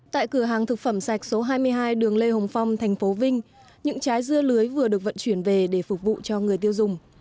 tại cửa hàng thực phẩm sạch số hai mươi hai đường lê hồng phong thành phố vinh những trái dưa lưới vừa được vận chuyển về để phục vụ cho người tiêu dùng